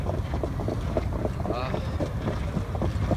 — А-х-х!